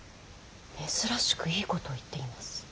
珍しくいいことを言っています。